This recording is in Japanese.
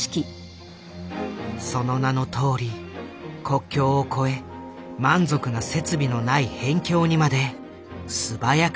その名のとおり国境を越え満足な設備のない辺境にまで素早く駆けつける。